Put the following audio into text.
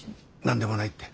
何でもないって。